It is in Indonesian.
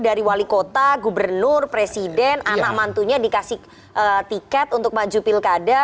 dari wali kota gubernur presiden anak mantunya dikasih tiket untuk maju pilkada